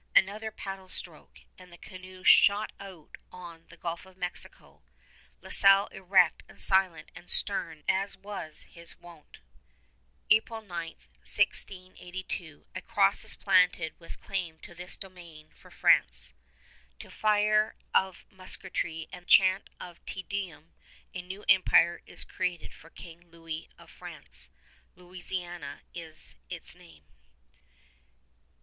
Another paddle stroke, and the canoes shot out on the Gulf of Mexico, La Salle erect and silent and stern as was his wont. April 9, 1682, a cross is planted with claim to this domain for France. To fire of musketry and chant of Te Deum a new empire is created for King Louis of France. Louisiana is its name.